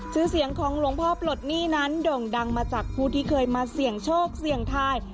ชื่อเสียงของหลวงพ่อปลดหนี้นั้นโด่งดังมาจากผู้ที่เคยมาเสี่ยงโชคเสี่ยงทาย